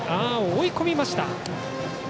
追い込みました。